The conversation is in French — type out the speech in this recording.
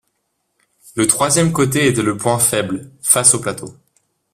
Le troisième côté était le point faible, face au plateau.